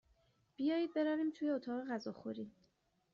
بیایید برویم توی اتاق غذاخوری.